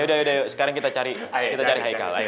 ya sudah sekarang kita cari kita cari haikal ayo